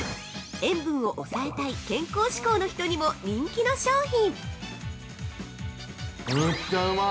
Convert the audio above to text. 塩分を抑えたい健康志向の人にも人気の商品！